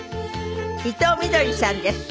伊藤みどりさんです。